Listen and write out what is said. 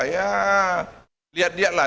ya lihat lihat lah